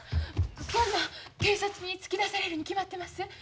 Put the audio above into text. そんなん警察に突き出されるに決まってます。